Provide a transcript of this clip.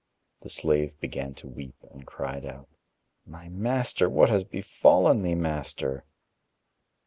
The slave began to weep and cried out: "My master, what has befallen thee, master?"